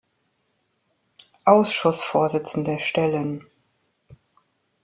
Ausschussvorsitzende stellen.